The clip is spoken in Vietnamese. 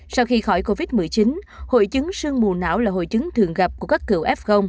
sau khi khỏi covid một mươi chín hội chứng sương mù não là hội chứng thường gặp của các cựu f